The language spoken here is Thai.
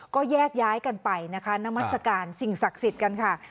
ก็แยกย้ายกันไปนะคะนามัศกาลสิ่งศักดิ์สิทธิ์กันค่ะ